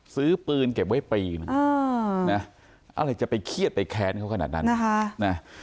ซื้อปืนเก็บไว้ปีนอะไรจะไปเครียดไปแค้นเขาขนาดนั้นนะคะ